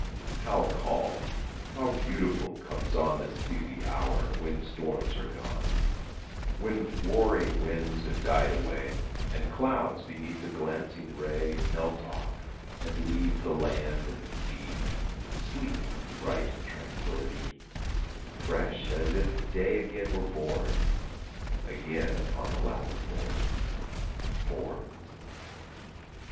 How calm, how beautiful comes on The stilly hour, when storms are gone; When warring winds have died away, And clouds, beneath the glancing ray, Melt off, and leave the land and sea Sleeping in bright tranquillity, Fresh as if day again were born, Again upon the lap of Morn. Moore.